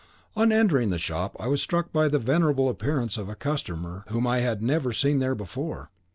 On entering the shop, I was struck by the venerable appearance of a customer whom I had never seen there before.